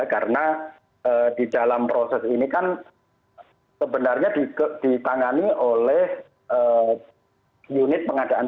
karena di dalam proses ini kan sebenarnya ditangani oleh unit pengadaan barang